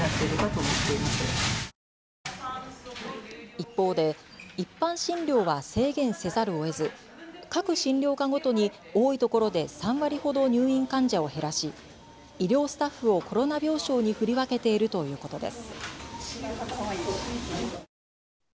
一方で一般診療は制限せざるをえず、各診療科ごとに多いところで３割ほど入院患者を減らし医療スタッフをコロナ病床に振り分けているということです。